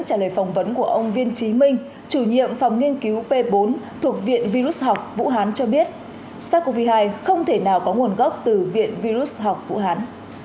trả lời phỏng vấn của ông viên trí minh chủ nhiệm phòng nghiên cứu p bốn thuộc viện virus học vũ hán cho biết sars cov hai không thể nào có nguồn gốc từ viện virus học vũ hán